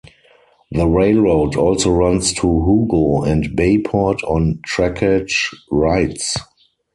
The railroad also runs to Hugo and Bayport on trackage rights.